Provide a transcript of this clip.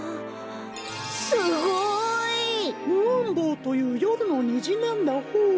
すごい！ムーンボウというよるのにじなんだホー。